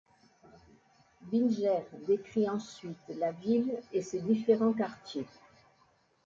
Binger décrit ensuite la ville et ses différents quartiers.